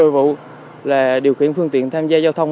một mươi vụ điều khiển phương tiện tham gia giao thông